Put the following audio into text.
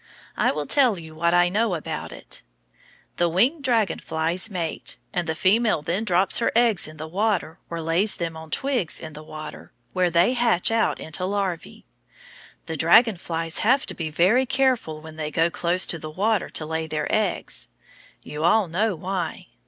I will tell you what I know about it. The winged dragon flies mate, and the female then drops her eggs in the water or lays them on twigs in the water, where they hatch out into larvæ. The dragon flies have to be very careful when they go close to the water to lay their eggs. You all know why.